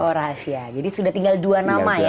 oh rahasia jadi sudah tinggal dua nama ya